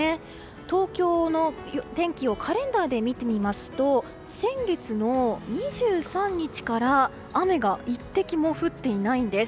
東京の天気をカレンダーで見てみますと先月の２３日から雨が一滴も降っていないんです。